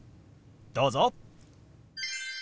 どうぞ。